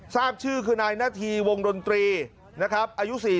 ทราบชื่อคือนายนาธีวงดนตรีนะครับอายุ๔๐